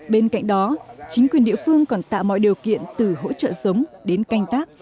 bên cạnh đó chính quyền địa phương còn tạo mọi điều kiện từ hỗ trợ sống đến canh tác